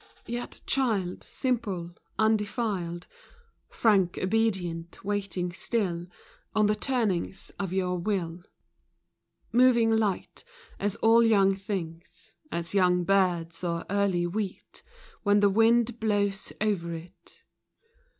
Yet child simple, undefiled, Frank, obedient, waiting still On the turnings of your will. Moving light, as all young things, As young birds, or early wheat When the wind blows over it.